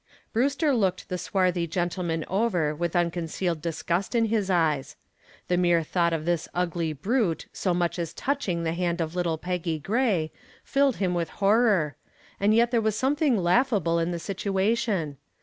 Brewster looked the swarthy gentleman over with unconcealed disgust in his eyes. The mere thought of this ugly brute so much as touching the hand of little Peggy Gray filled him with horror, and yet there was something laughable in the situation.